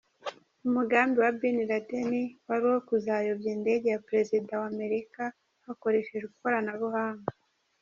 Umugambi wa Bin Laden wari uwo kuzayobya indege ya Perezida wa Amerika hakoreshejwe ikoranabuhanga.